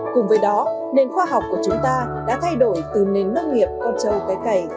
cùng với đó nền khoa học của chúng ta đã thay đổi từ nền nông nghiệp con trâu cái cày